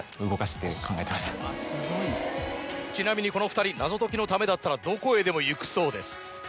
ちなみにこの２人謎解きのためだったらどこへでも行くそうです。